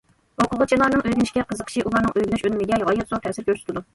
ئوقۇغۇچىلارنىڭ ئۆگىنىشكە قىزىقىشى ئۇلارنىڭ ئۆگىنىش ئۈنۈمىگە غايەت زور تەسىر كۆرسىتىدۇ.